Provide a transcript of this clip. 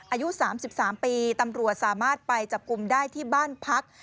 อายุ๓๓ปีตำรวจสามารถไปจับกลุ่มได้ที่บ้านพัก